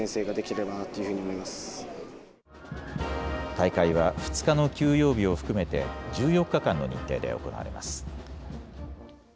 大会は２日の休養日を含めて１４日間の日程で行われます。